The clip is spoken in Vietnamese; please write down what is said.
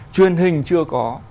truyền hình chưa có